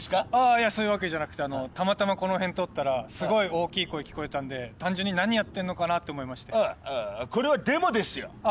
いやそういうわけじゃなくてたまたまこの辺通ったらすごい大きい声聞こえたんで単純に何やってんのかな？って思いましてこれはデモですよああ